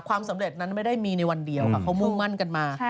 ความสำเร็จนั้นไม่ได้มีในวันเดียวค่ะเขามุ่งมั่นกันมา